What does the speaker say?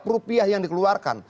setiap rupiah yang dikeluarkan